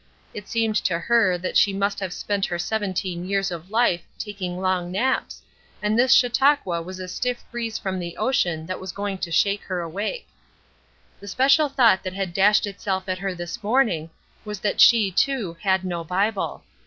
It seemed to her that she must have spent her seventeen years of life taking long naps, and this Chautauqua was a stiff breeze from the ocean that was going to shake her awake. The special thought that had dashed itself at her this morning was that she, too, had no Bible.